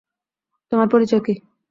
তোমার পরিচয় কি?